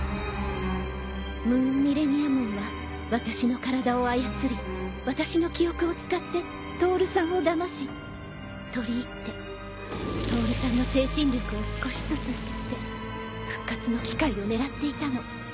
ムーンミレニアモンは私の体を操り私の記憶を使って透さんをだまし取り入って透さんの精神力を少しずつ吸って復活の機会を狙っていたの。